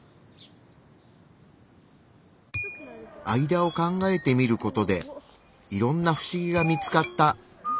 あいだを考えてみることでいろんなふしぎが見つかった。